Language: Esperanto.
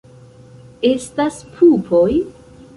Estas pupoj?